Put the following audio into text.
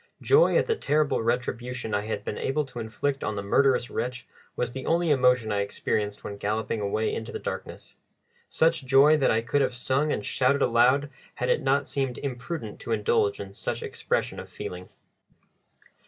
Joy at the terrible retribution I had been able to inflict on the murderous wretch was the only emotion I experienced when galloping away into the darkness such joy that I could have sung and shouted aloud had it not seemed imprudent to indulge in such expression of feeling.